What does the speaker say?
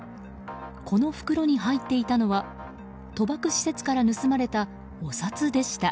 この袋に入っていたのは賭博施設から盗まれたお札でした。